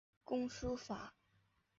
工书法。